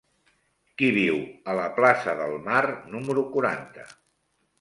Qui viu a la plaça del Mar número quaranta?